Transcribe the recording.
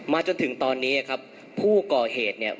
จนถึงตอนนี้ครับผู้ก่อเหตุเนี่ย